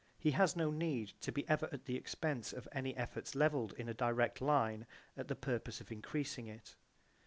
He has no need to be ever at the expense of any efforts levelled in a direct line at the purpose of increasing it.